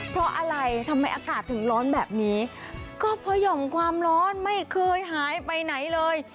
เพราะอะไรทำไมอากาศถึงร้อนแบบนี้ก็เพราะหย่อมความร้อนไม่เคยหายไปไหนเลย